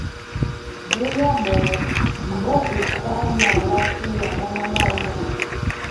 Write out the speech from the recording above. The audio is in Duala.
Búnyá ɓɔɔ́ mbɔ́ e tá ní alá púlea ɓána ɓáō ɗá.